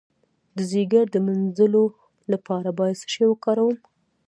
د ځیګر د مینځلو لپاره باید څه شی وکاروم؟